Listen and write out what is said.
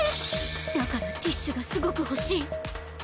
だからティッシュがすごく欲しい！